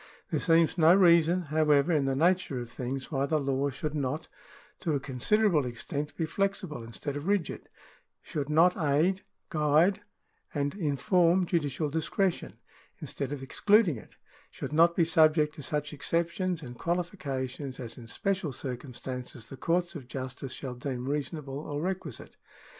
There seems no reason, however, in the nature of things why the law should not, to a considerable extent, be flexible instead of rigid — should not aid, guide, and inform judicial discretion, instead of excluding it — should not be subject to such exceptions and qualifications as in special circumstances the courts of justice shall deem reasonable or requisite.